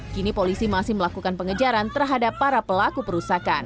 kini polisi masih melakukan pengejaran terhadap para pelaku perusakan